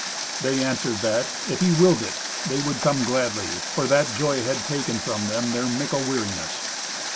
They answered that, if he willed it, they would come gladly, for that joy had taken from them their mickle weariness.